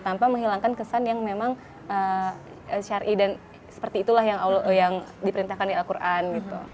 tanpa menghilangkan kesan yang memang syari dan seperti itulah yang diperintahkan di al quran